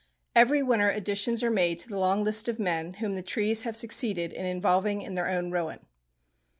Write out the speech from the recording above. Every winter additions are made to the long list of men whom the trees have succeeded in involving in their own ruin.